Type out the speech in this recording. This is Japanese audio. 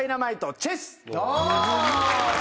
「チェス」